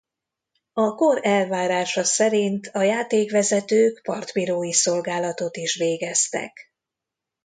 A kor elvárása szerint a játékvezetők partbírói szolgálatot is végeztek.